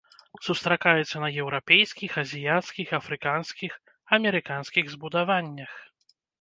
Сустракаецца на еўрапейскіх, азіяцкіх, афрыканскіх, амерыканскіх збудаваннях.